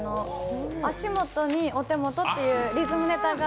「足元にお手元」っていうリズムネタが。